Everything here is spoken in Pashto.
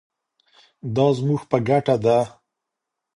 دا زموږ په ګټه ده.